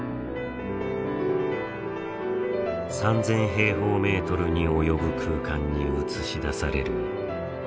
３，０００平方メートルに及ぶ空間に映し出されるゴッホの絵。